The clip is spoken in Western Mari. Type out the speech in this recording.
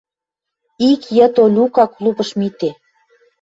Ик йыд Олюка клубыш миде —